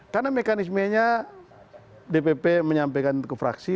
karena mekanisme nya dpp menyampaikan ke fraksi